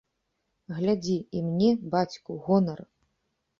Глядзі, і мне, бацьку, гонар!